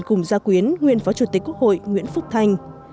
cùng gia quyến nguyên phó chủ tịch quốc hội nguyễn phúc thanh